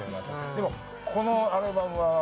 でもこのアルバムは。